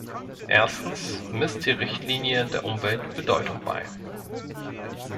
Erstens misst die Richtlinie der Umwelt Bedeutung bei.